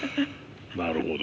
なるほど。